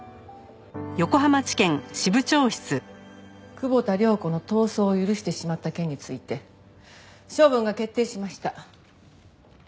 久保田涼子の逃走を許してしまった件について処分が決定しました。